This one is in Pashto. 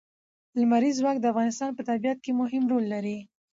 لمریز ځواک د افغانستان په طبیعت کې مهم رول لري.